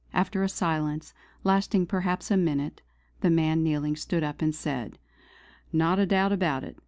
After a silence, lasting perhaps a minute, the man kneeling stood up and said: "Not a doubt about it!